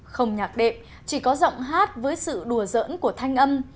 không nhạc đệm chỉ có giọng hát với sự đùa dỡn của thanh âm